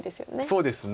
そうですね。